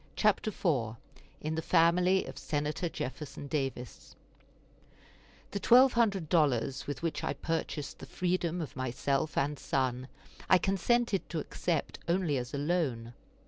CHAPTER IV IN THE FAMILY OF SENATOR JEFFERSON DAVIS The twelve hundred dollars with which I purchased the freedom of myself and son I consented to accept only as a loan.